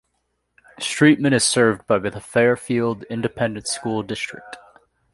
Streetman is served by the Fairfield Independent School District.